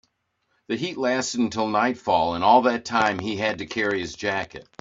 The heat lasted until nightfall, and all that time he had to carry his jacket.